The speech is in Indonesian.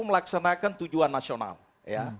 melaksanakan tujuan nasional ya